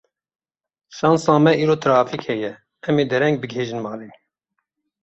Şansa me îro trafîk heye, em ê dereng bigihîjin malê.